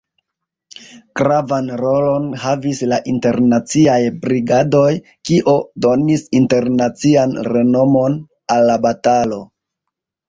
Gravan rolon havis la Internaciaj Brigadoj, kio donis internacian renomon al la batalo.